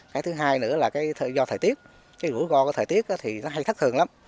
cái thứ hai nữa là cái do thời tiết cái rủi ro của thời tiết thì nó hay thất thường lắm